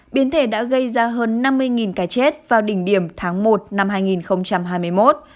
biến thể đã gây ra hơn năm mươi ca chết vào đỉnh điểm tháng một năm hai nghìn hai mươi một